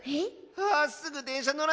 あすぐでんしゃのら